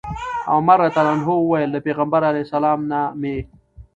عمر رضي الله عنه وويل: له پيغمبر عليه السلام نه مي